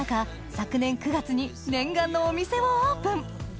昨年９月に念願のお店をオープン！